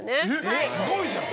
すごいじゃん！